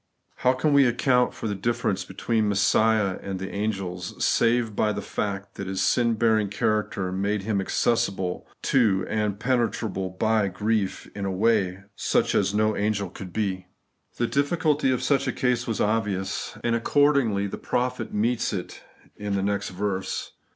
How can we account for the difference between Messiah and the angels, save by the fact that His sin bearing character made Him accessible to and penetrable by grief, in a way such as no angel could be ? The difiiculty of such a case was obvious; and accordingly the prophet meets it in the next verse.